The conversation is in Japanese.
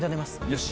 よし！